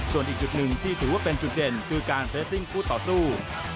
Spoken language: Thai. ส่วนอีกจุดหนึ่งที่ถือว่าเป็นจุดเด่นคือการเรสซิ่งคู่ต่อสู้